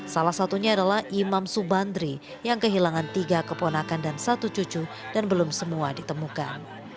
salah satunya adalah imam subandri yang kehilangan tiga keponakan dan satu cucu dan belum semua ditemukan